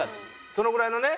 そのぐらいのね。